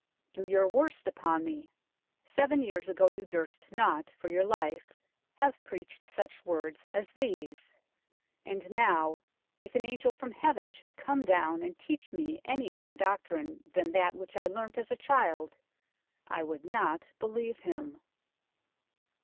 " Do your worst upon me. Seven years ago you durst not, for your life, have preached such words as these ; and now, if an angel from heaven should come down and teach me any other doctrine than that which I learnt as a child, I would not believe him.